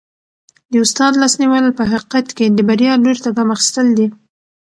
د استاد لاس نیول په حقیقت کي د بریا لوري ته ګام اخیستل دي.